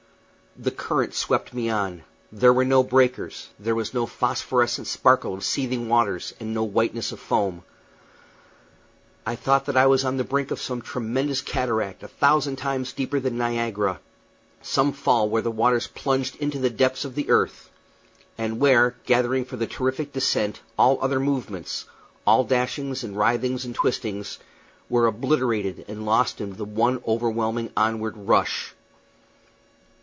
The current swept me on. There were no breakers; there was no phosphorescent sparkle of seething waters, and no whiteness of foam. I thought that I was on the brink of some tremendous cataract a thousand times deeper than Niagara; some fall where the waters plunged into the depths of the earth; and where, gathering for the terrific descent, all other movements all dashings and writhings and twistings were obliterated and lost in the one overwhelming onward rush.